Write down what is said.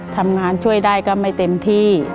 ทำงานช่วยได้ก็ไม่เต็มที่